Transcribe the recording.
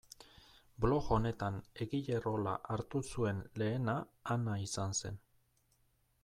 Blog honetan egile rola hartu zuen lehena Ana izan zen.